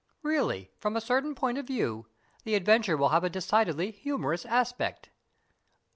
Really, from a certain point of view, the adventure will have a decidedly humorous aspect."